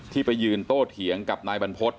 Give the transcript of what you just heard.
ที่ไปยืนโต้เถี่ยงกับนายบรรพช